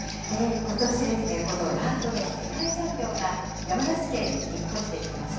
ことし、このラートの世界チャンピオンが、山梨県に引っ越してきました。